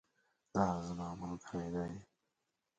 دا زما ملګری دی